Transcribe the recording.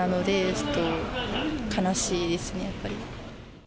ちょっと、悲しいですね、やっぱり。